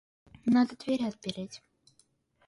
Надо двери отпереть.